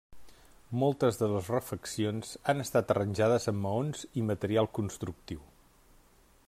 Moltes de les refeccions han estat arranjades amb maons i material constructiu.